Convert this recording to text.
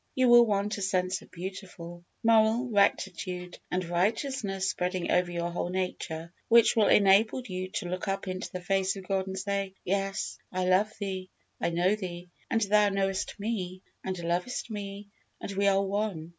You will want a sense of beautiful, moral rectitude and righteousness spreading over your whole nature, which will enable you to look up into the face of God and say, "Yes, I love Thee, I know Thee, and Thou knowest me, and lovest me, and we are one.